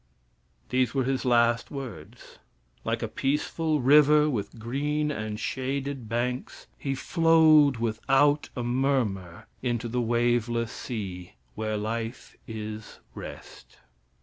These were his last words. Like a peaceful river, with green and shaded banks, he flowed without a murmur into the waveless sea, where life is rest.